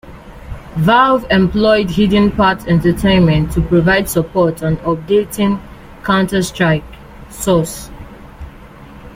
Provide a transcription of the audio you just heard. Valve employed Hidden Path Entertainment to provide support on updating "Counter-Strike: Source".